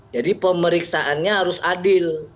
jadi pemeriksaannya harus adil